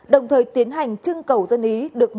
đồng thời tiến hành trưng cầu dân ý